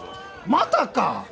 またか！？